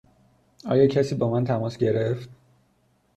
آیا کسی با من تماس گرفت؟